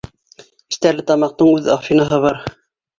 Стәрлетамаҡтың үҙ Афинаһы бар!